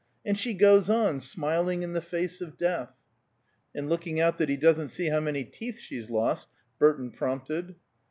And she goes on, smiling in the face of death " "And looking out that he doesn't see how many teeth she's lost," Burton prompted.